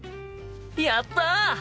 やった！